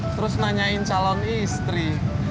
terus nanyain calon istri